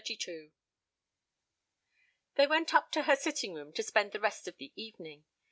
XXXII They went up to her sitting room to spend the rest of the evening.